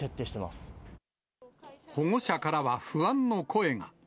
保護者からは不安の声が。